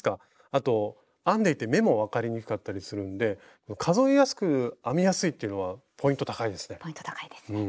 あと編んでいて目も分かりにくかったりするんで数えやすく編みやすいっていうのはポイント高いですね。